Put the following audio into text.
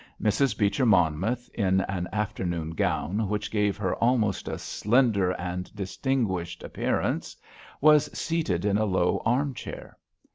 Mrs. Beecher Monmouth in an afternoon gown which gave her almost a slender and distinguished appearance, was seated in a low arm chair.